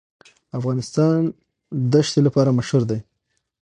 افغانستان د ښتې لپاره مشهور دی.